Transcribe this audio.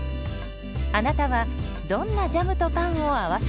あなたはどんなジャムとパンを合わせますか？